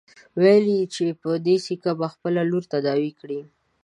ويل يې چې په دې سيکه به خپله لور تداوي کړي.